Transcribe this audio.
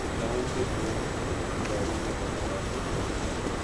چاند سے ماند ستاروں نے کہا آخر شب